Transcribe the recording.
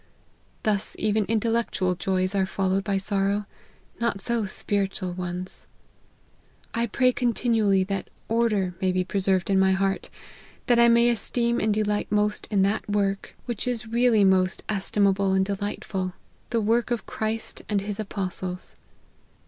Thus even Intellectual joys are followed by sorrow : not so spiritual ones. I pray continually that order may be preserved in my heart ; that I may esteem and delight most in that work, which is really most 120 LIFE OF HENRY MARTYN. estimable and delightful, the work of Christ and his apostles.